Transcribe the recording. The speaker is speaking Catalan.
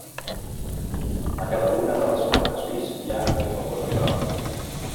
A cada una de les plantes pis hi ha un balcó central.